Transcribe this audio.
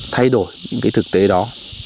thay đổi thực tế đó